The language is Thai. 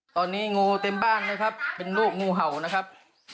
ตอนนี้งูเต็มบ้านนะครับเป็นลูกงูเห่านะครับ